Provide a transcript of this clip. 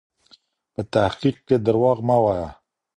په تحقیق کې درواغ مه وایئ.